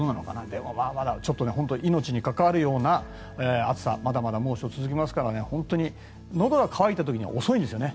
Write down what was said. でもまだ命に関わるような暑さまだまだ猛暑が続きますからのどが渇いた時には遅いんですよね。